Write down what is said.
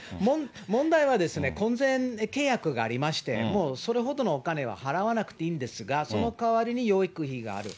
問題はですね、婚前契約がありまして、それほどのお金は払わなくていいんですが、そのかわりに養育費がある。